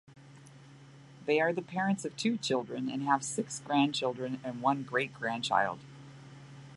They are the parents of two children and have six grandchildren and one great-grandchild.